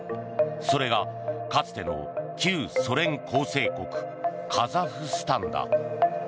それが、かつての旧ソ連構成国カザフスタンだ。